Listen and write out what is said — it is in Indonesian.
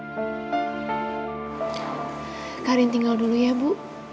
mbak karin tinggal dulu ya bu